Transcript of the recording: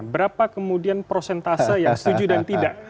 berapa kemudian prosentase yang setuju dan tidak